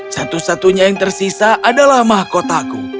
satu satunya yang tersisa adalah mahkotaku